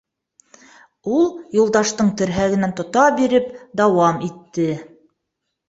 Ул Юлдаштың терһәгенән тота биреп дауам итте: